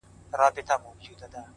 چي ته بېلېږې له خپل كوره څخه؛